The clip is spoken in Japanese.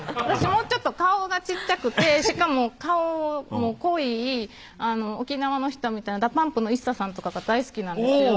もうちょっと顔が小っちゃくてしかも顔も濃い沖縄の人みたいなＤＡＰＵＭＰのＩＳＳＡさんとかが大好きなんですよ